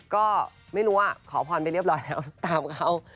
ก็ไม่รู้ว่าขอพรไปเรียบร้อยแล้วตามเขา